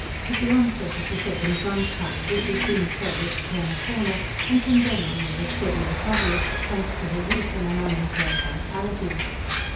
With the inset of the second month, however, she seemed fairly to turn the corner, and from then on made a steady recovery, thanks to her youth and an unimpaired vitality.